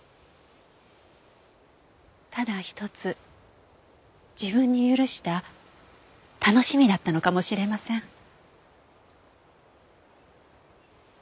ただ一つ自分に許した楽しみだったのかもしれません。